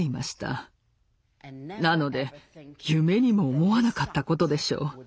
なので夢にも思わなかったことでしょう。